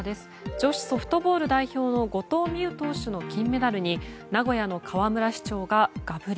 女子ソフトボール代表の後藤希友投手の金メダルに名古屋の河村市長がガブリ。